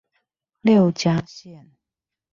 六家線